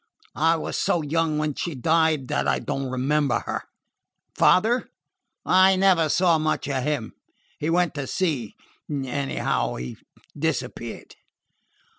"I was so young when she died that I don't remember her." "Father?" "I never saw much of him. He went to sea anyhow, he disappeared."